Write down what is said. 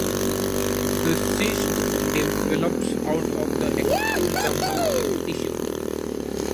The cyst develops out of ectodermal tissue.